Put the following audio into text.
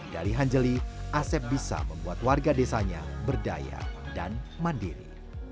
dari hanjeli asep bisa membuat warga desanya berdaya dan mandiri